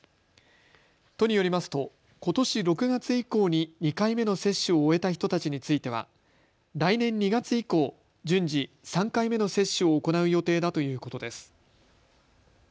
都によりますとことし６月以降に２回目の接種を終えた人たちについては来年２月以降、順次、３回目の接種を行う予定だということです。